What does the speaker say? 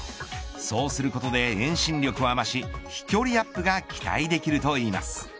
そうすることで遠心力は増し飛距離アップが期待できるといいます。